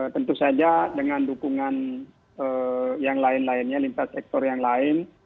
tentu saja dengan dukungan yang lain lainnya lintas sektor yang lain